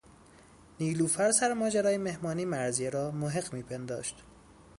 نیلوفر سر ماجرای مهمانی، مرضیه را محق میپنداشت